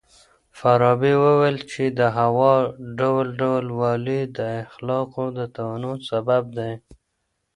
فارابي وويل چي د هوا ډول ډول والی د اخلاقو د تنوع سبب دی.